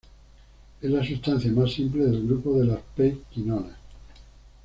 Es la sustancia más simple del grupo de las "p"-quinonas.